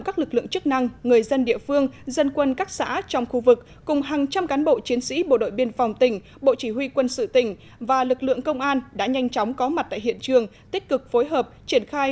các lực lượng chức năng và người dân đã khống chế và dập tắt đám cháy